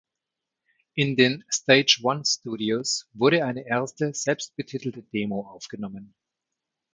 In den "Stage One Studios" wurde eine erste, selbstbetitelte Demo aufgenommen.